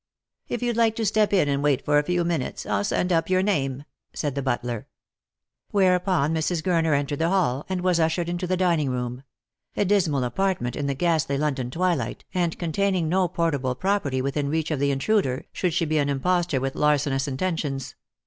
" If you'd like to step in and wait for a few minutes, I'll send up your name," said the butler. "Whereupon Mrs. Gurner entered the hall, and was ushered into the dining room — a dismal apartment in the ghastly Lon don twilight, and containing no portable property within reach of the intruder, should she be an impostor with larcenous inten tions.